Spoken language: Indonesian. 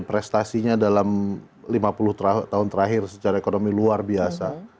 prestasinya dalam lima puluh tahun terakhir secara ekonomi luar biasa